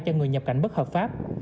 cho người nhập cảnh bất hợp pháp